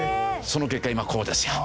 その結果今こうですよ。